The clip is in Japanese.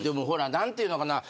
何て言うのかな。